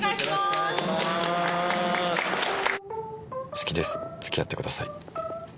好きです付き合ってください。